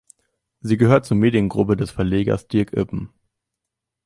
Sie gehört zur Mediengruppe des Verlegers Dirk Ippen.